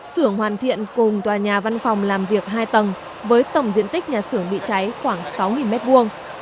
xưởng hoàn thiện cùng tòa nhà văn phòng làm việc hai tầng với tầm diện tích nhà xưởng bị cháy khoảng sáu mét vuông